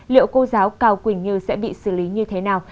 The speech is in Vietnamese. liệu cô giáo cao quỳnh như sẽ bị xử lý như thế nào